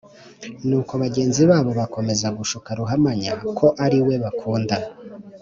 nuko bagenzi babo bakomeza gushuka ruhamanya ko ari we bakunda